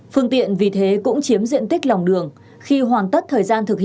phương tiện vì thế cũng chiếm diện tích lòng đường